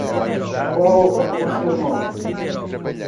Qual o seu nome?